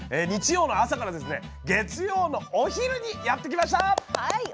日曜の朝から月曜のお昼にやって来ました！